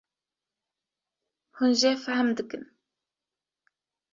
hûn jê fehm dikin